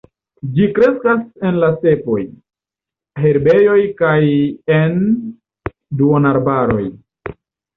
Ĝi kreskas en la stepoj, herbejoj kaj en duonarbaroj.